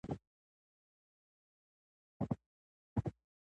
چاپېر یال ساتونکي د طبیعي منابعو اهمیت بیانوي.